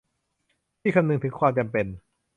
ที่คำนึงถึงความจำเป็น